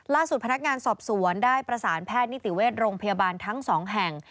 พนักงานสอบสวนได้ประสานแพทย์นิติเวชโรงพยาบาลทั้งสองแห่ง